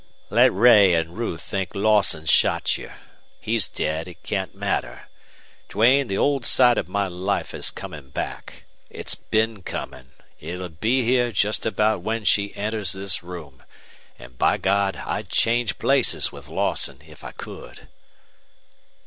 "Let Ray and Ruth think Lawson shot you. He's dead. It can't matter. Duane, the old side of my life is coming back. It's been coming. It'll be here just about when she enters this room. And, by God, I'd change places with Lawson if I could!"